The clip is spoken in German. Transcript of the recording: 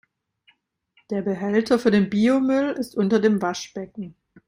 Der Behälter für den Biomüll ist unter dem Waschbecken.